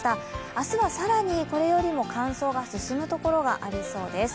明日は更にそれよりも乾燥が進む所がありそうです。